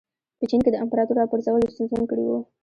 په چین کې د امپراتور راپرځول ستونزمن کړي وو.